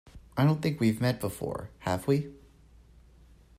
I don't think we've met before, have we?